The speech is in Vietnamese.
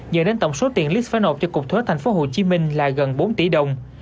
dần đến tổng số tiền lix phải nộp cho cục thuế tp hcm là gần bốn tỷ đồng